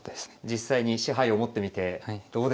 実際に賜杯を持ってみてどうでしょう